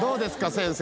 先生。